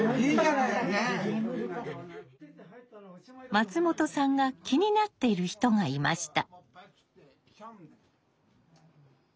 松本さんが気になっている人がいました。